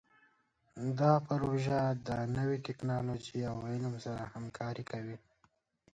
دا پروژه د نوي ټکنالوژۍ او علم سره همکاري کوي.